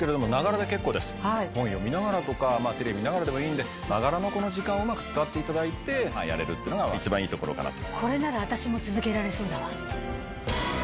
本読みながらとかテレビ見ながらでもいいんでながらの時間をうまく使っていただいてやれるっていうのが一番いいところかなと。